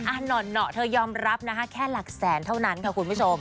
หน่อเธอยอมรับนะคะแค่หลักแสนเท่านั้นค่ะคุณผู้ชม